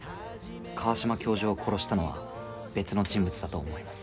川島教授を殺したのは別の人物だと思います。